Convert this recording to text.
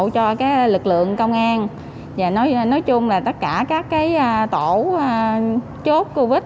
các lực lượng công an nói chung là tất cả các tổ chốt covid